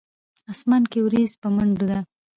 اسمان کښې وريځ پۀ منډو ده